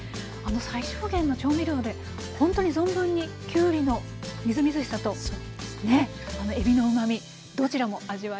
最小限の調味料でほんとに存分にきゅうりのみずみずしさとえびのうまみどちらも味わえます。